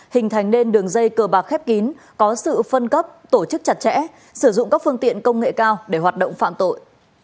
hình thành nên đường dây cờ bạc khép kín có sự phân cấp tổ chức chặt chẽ sử dụng các phương tiện công nghệ cao để hoạt động phạm tội